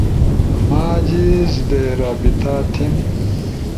ما جیز دے رابطہ تھیم؟